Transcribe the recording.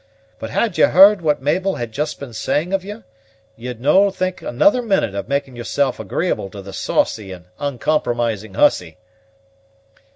But had ye heard what Mabel had just been saying of you, ye'd no think another minute of making yourself agreeable to the saucy and uncompromising hussy."